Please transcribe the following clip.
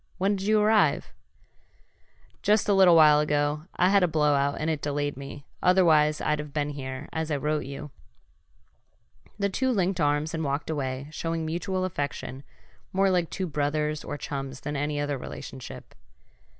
When'd you arrive?" "Just a little while ago. I had a blowout and it delayed me, otherwise I'd have been here, as I wrote you." The two linked arms and walked away, showing mutual affection more like two brothers or chums than any other relationship.